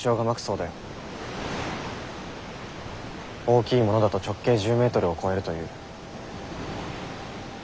大きいものだと直径１０ｍを超えるという。